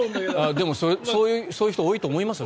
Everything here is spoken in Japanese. でも、そういう人多いんだと思いますよ。